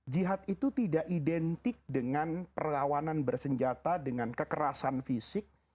jihad itu tidak identik dengan perlawanan bersenjata dengan kekerasan fisik